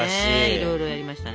いろいろやりましたね。